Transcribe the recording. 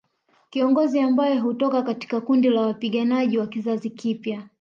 Kiongozi ambaye hutoka katika kundi la wapiganaji wa kizazi kipya